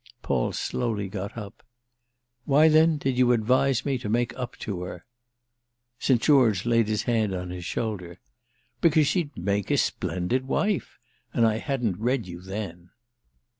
Paul slowly got up. "Why then did you advise me to make up to her?" St. George laid his hand on his shoulder. "Because she'd make a splendid wife! And I hadn't read you then."